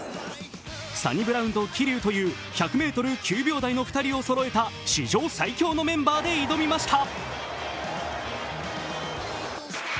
サニブラウンと桐生という１００ｍ９秒台という史上最強のメンバーで挑みました。